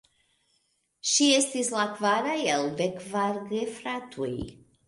Ŝi estis la kvara el dek kvar gefratoj.